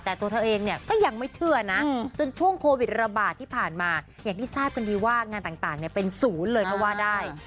แต่ตัวเธอเองเนี่ยก็ยังไม่เชื่อนะจนช่วงโควิดระบาดที่ผ่านมาอย่างที่ทราบกันดีว่างานต่างเป็นศูนย์เลยก็ว่าได้